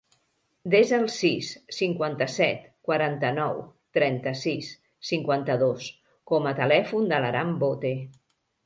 Desa el sis, cinquanta-set, quaranta-nou, trenta-sis, cinquanta-dos com a telèfon de l'Aram Bote.